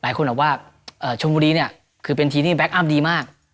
หลายคนบอกว่าชมบุรีเนี่ยคือเป็นทีมที่แก๊คอัพดีมาก